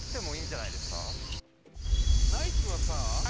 ナイツはさ